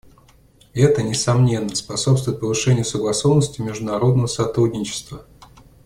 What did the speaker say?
Это, несомненно, способствует повышению согласованности международного сотрудничества.